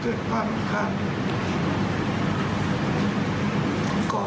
ก็เลยพามานี่ด้วยครับ